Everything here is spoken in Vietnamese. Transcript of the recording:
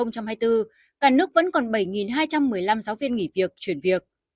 cả nước vẫn còn bảy hai trăm một mươi năm giáo viên nghỉ việc chuyển việc